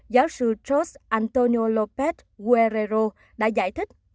george antonio lopez guerrero đã giải thích